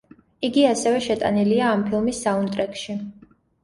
იგი ასევე შეტანილია ამ ფილმის საუნდტრეკში.